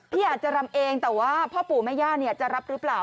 พี่อาจจะรำเองแต่ว่าพ่อปู่แม่ย่าจะรับหรือเปล่า